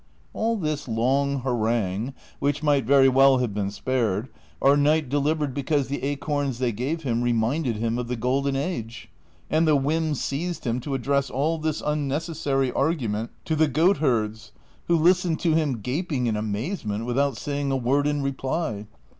All this long harangue (which might very well have been spared) our knight delivered because the acorns they gave him reminded him of the golden age ; and the whim seized him to address all this unnecessary argument to the goatherds, who listened to him gaping in amazement without saying a word in reply.